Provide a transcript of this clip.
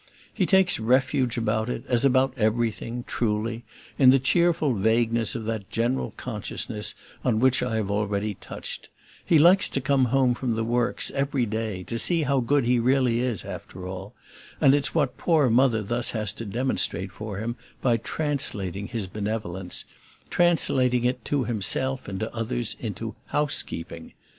He takes refuge about it, as about everything, truly, in the cheerful vagueness of that general consciousness on which I have already touched: he likes to come home from the Works every day to see how good he really is, after all and it's what poor Mother thus has to demonstrate for him by translating his benevolence, translating it to himself and to others, into "housekeeping."